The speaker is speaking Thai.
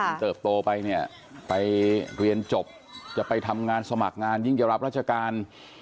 เติบโตไปเนี่ยไปเรียนจบจะไปทำงานสมัครงานยิ่งจะรับราชการ